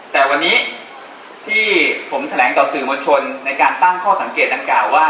แต่วันนี้ที่ผมแถลงต่อสื่อมวลชนในการตั้งข้อสังเกตดังกล่าวว่า